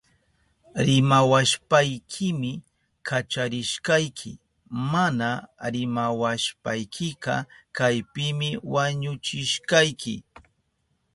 Rimawashpaykimi kacharishkayki. Mana rimawashpaykika kaypimi wañuchishkayki.